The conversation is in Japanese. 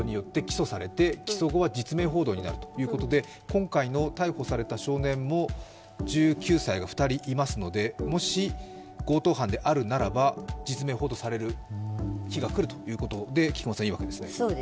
今回の逮捕された少年も１９歳が２人いますのでもし強盗犯であるならば、実名報道される日が来るということでいいわけですね？